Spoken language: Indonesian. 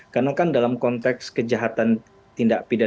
karena kan dalam konteks kejahatan tindak pidana